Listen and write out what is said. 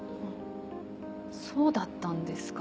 そうだったんですか。